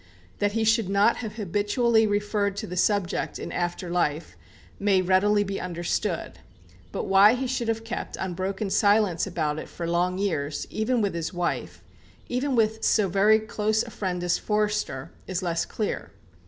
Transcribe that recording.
That he should not have habitually referred to the subject in after life, may readily be understood. But why he should have kept unbroken silence about it for long years, even with his wife, even with so very close a friend as Forster, is less clear.